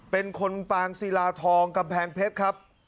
เป็นคนปางศิลาทองกำแพงเพชรครับ